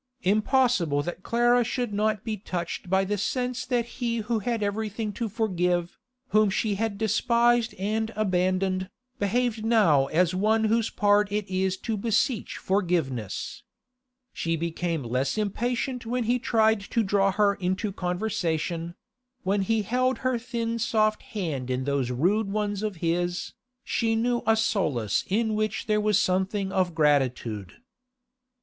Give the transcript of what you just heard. Impossible that Clara should not be touched by the sense that he who had everything to forgive, whom she had despised and abandoned, behaved now as one whose part it is to beseech forgiveness. She became less impatient when he tried to draw her into conversation; when he held her thin soft hand in those rude ones of his, she knew a solace in which there was something of gratitude.